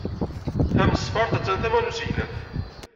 Tanesfart attan tama n usegnaf.